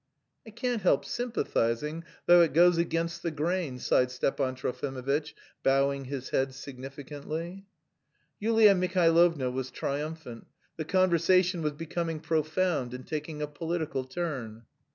"I can't help sympathising, though it goes against the grain," sighed Stepan Trofimovitch, bowing his head significantly. Yulia Mihailovna was triumphant: the conversation was becoming profound and taking a political turn.